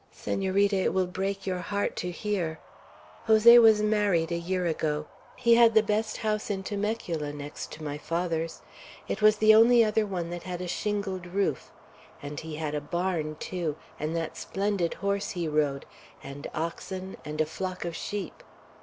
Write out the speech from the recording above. "Senorita, it will break your heart to hear. Jose was married a year ago. He had the best house in Temecula, next to my father's. It was the only other one that had a shingled roof. And he had a barn too, and that splendid horse he rode, and oxen, and a flock of sheep.